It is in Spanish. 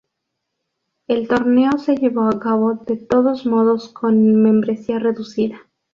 El torneo se llevó a cabo de todos modos con membresía reducida.